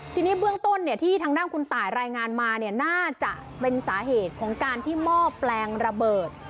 ทีนี้เบื้องต้นที่ทางด้านคุณตายรายงานมาเนี่ยน่าจะเป็นสาเหตุของการที่หม้อแปลงระเบิด